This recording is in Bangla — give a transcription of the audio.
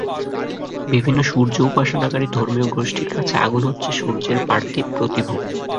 বিভিন্ন সূর্য উপাসনাকারী ধর্মীয় গোষ্ঠীর কাছে আগুন হচ্ছে সূর্যের পার্থিব প্রতিভূ।